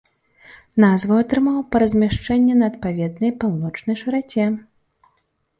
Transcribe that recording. Назву атрымаў па размяшчэнні на адпаведнай паўночнай шыраце.